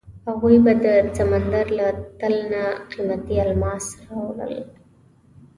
هغوی به د سمندر له تل نه قیمتي الماس راوړل.